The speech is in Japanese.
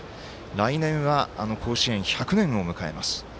来年は甲子園１００年を迎えます。